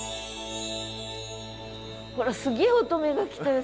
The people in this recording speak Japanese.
ほらすげえ乙女が来たよ